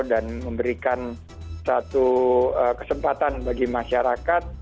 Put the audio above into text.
dan memberikan satu kesempatan bagi masyarakat